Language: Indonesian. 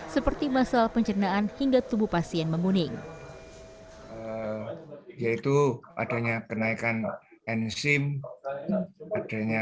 seperti masalah pencernaan hingga tubuh pasien menguning yaitu adanya kenaikan enzim adanya